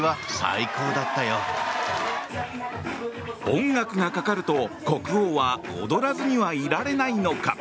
音楽がかかると、国王は踊らずにはいられないのか